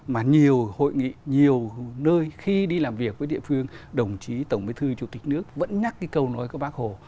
mà nhiều hội nghị nhiều nơi khi đi làm việc với địa phương đồng chí tổng bí thư chủ tịch nước vẫn nhắc cái câu nói của bác hồ